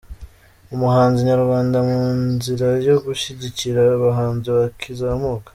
Umuhanzi nyarwanda mu nzira yo gushyigikira abahanzi bakizamuka